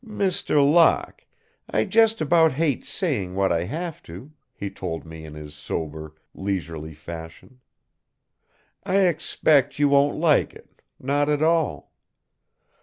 "Mr. Locke, I just about hate saying what I have to," he told me in his sober, leisurely fashion. "I expect you won't like it; not at all.